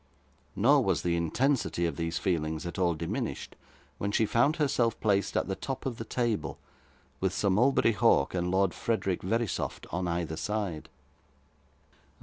Nor was the intensity of these feelings at all diminished, when she found herself placed at the top of the table, with Sir Mulberry Hawk and Lord Frederick Verisopht on either side.